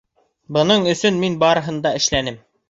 Бының өсөн мин барыһын да эшләнем.